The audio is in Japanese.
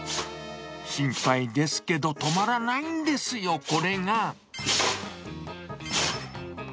心配ですけど、止まらないんですよ、これが。